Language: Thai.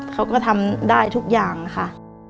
เขาก็ทำได้ทุกอย่างค่ะ